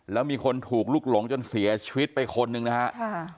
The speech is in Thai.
แล้วมีคนถูกลุกหลงจนเสียชีวิตไปคนหนึ่งนะฮะค่ะ